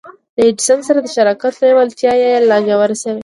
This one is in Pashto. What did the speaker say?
له ايډېسن سره د شراکت لېوالتیا يې لا ژوره شوه.